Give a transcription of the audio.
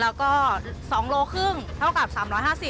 แล้วก็๒โลครึ่งเท่ากับ๓๕๐